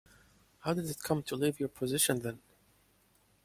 How did it come to leave your possession then?